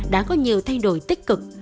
đã có nhiều thay đổi tích cực